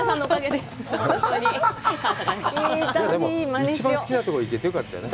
でも、一番好きなところに行けてよかったね。